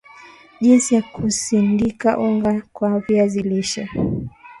Jinsi ya kusindika unga wa viazi lishe